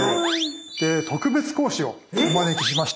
で特別講師をお招きしました。